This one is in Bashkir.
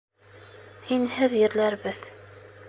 Һинһеҙ ерләрбеҙ.